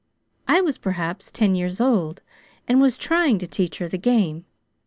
I was perhaps ten years old, and was trying to teach her the game.